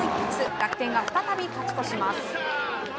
楽天が再び勝ち越します。